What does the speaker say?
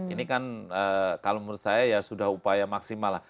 ini kan kalau menurut saya ya sudah upaya maksimal lah